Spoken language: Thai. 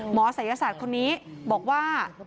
ศัยศาสตร์คนนี้บอกว่า